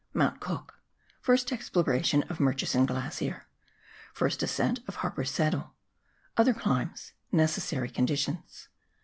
Mount Cook — First Exploration of MurcHson Glacier — First Ascent of Harper's Saddle — Other Climbs — Necessary Conditions.